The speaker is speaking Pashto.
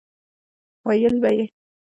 ويل به يې